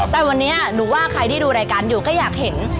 แต่วันนี้หนูว่าใครที่ดูรายการอยู่ก็อยากเห็น